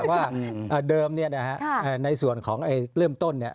ว่าเดิมในส่วนของเริ่มต้นเนี่ย